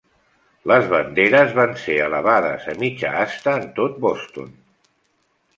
Les banderes van ser elevades a mitja asta en tot Boston.